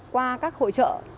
qua các hội trợ